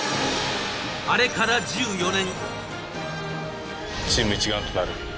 あれから１４年。